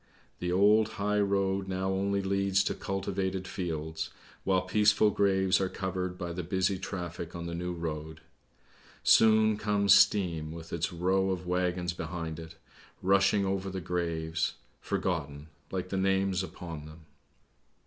The old high road now only leads to cultivated fields, while peaceful graves are covered by the busy traffic on the new road. Soon comes Steam with its row of waggons behind it, rushing over the graves, forgotten, like the names upon them.